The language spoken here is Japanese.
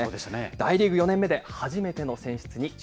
大リーグ４年目で、初めての選出